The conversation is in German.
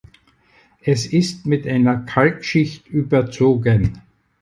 Es ist mit einer Kalkschicht überzogen.